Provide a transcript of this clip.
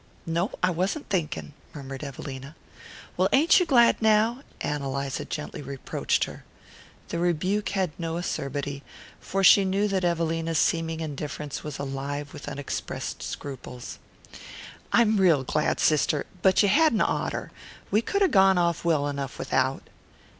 "No. I wasn't thinking," murmured Evelina. "Well, ain't you glad now?" Ann Eliza gently reproached her. The rebuke had no acerbity, for she knew that Evelina's seeming indifference was alive with unexpressed scruples. "I'm real glad, sister; but you hadn't oughter. We could have got on well enough without."